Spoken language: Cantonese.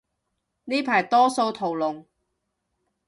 呢排多數屠龍